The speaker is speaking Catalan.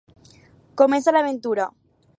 Comença l'aventura.